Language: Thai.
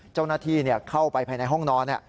เจ้าหน้าที่เข้าไปภายในห้องนอน